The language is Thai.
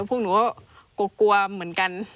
พวกหนูก็กลัวเหมือนกัน